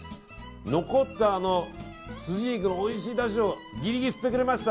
残ったすじ肉のおいしいだしをギリギリ吸ってくれました。